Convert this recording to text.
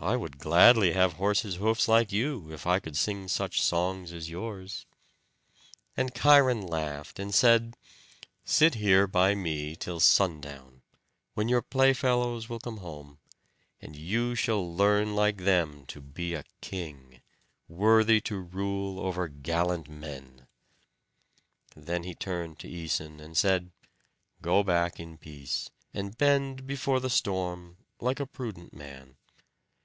"I would gladly have horse's hoofs like you, if I could sing such songs as yours." And Cheiron laughed, and said, "Sit here by me till sundown, when your playfellows will come home, and you shall learn like them to be a king, worthy to rule over gallant men." Then he turned to Æson, and said, "Go back in peace, and bend before the storm like a prudent man.